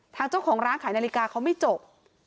ทางเจ้าของร้านขายนาฬิกาเขาไม่จบ